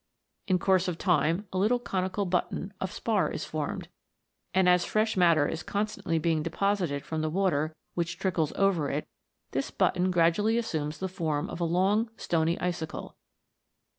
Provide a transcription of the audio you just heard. In course of time a little conical button of spar is formed ; and as fresh, matter is constantly being deposited from the water which trickles over it, this button gradually assumes the form of a long stony icicle.